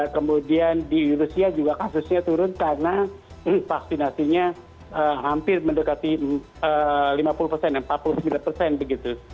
kemudian di rusia juga kasusnya turun karena vaksinasinya hampir mendekati lima puluh persen empat puluh sembilan persen begitu